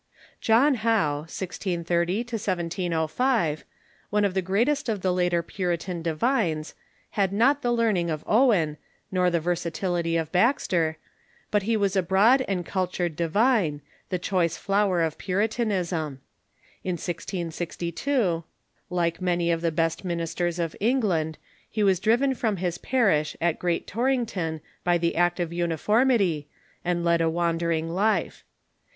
John Ho\ve (1630 1705), one of the greatest of the later Puritan divines, had not the learning of Owen nor the versa tility of Baxter, but he was a broad and cultured divine, H0W6 ^'^ the choice flower of Puritanism. In 1662, like many of the best ministers in England, he was driven from his parish at Great Torrington b}^ the Act of Uniformity, and led a wan dering life.